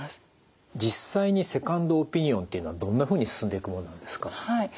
実際にセカンドオピニオンというのはどんなふうに進んでいくもんなんですか？